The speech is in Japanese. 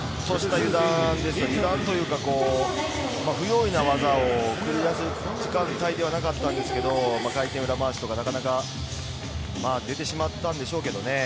油断というか、不用意な技を繰り出す時間帯ではなかったんですけど、回転裏回しとかなかなか出てしまったんでしょうけどね。